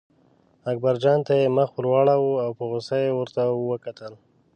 اکبرجان ته یې مخ واړاوه او په غوسه یې ورته وکتل.